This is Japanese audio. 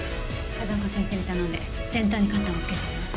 風丘先生に頼んで先端にカッターも付けてあるわ。